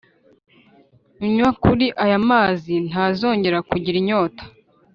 Unywa kuri aya mazi ntazongera kugira inyota